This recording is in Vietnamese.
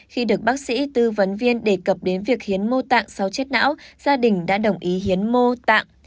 khi được bác sĩ tư vấn viên đề cập đến việc hiến mô tạng sau chết não gia đình đã đồng ý hiến mô tạng